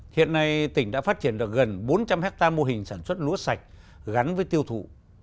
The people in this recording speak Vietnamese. hiện nay tỉnh đã phát triển được gần bốn trăm linh hectare mô hình sản xuất lúa sạch gắn với tiêu thụ